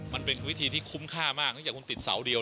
มันเป็นวิธีที่คุ้มค่ามากเนื่องจากคุณติดเสาเดียว